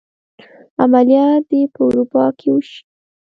عملیات دې په اروپا کې وشي.